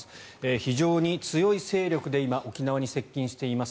非常に強い勢力で今、沖縄に接近しています。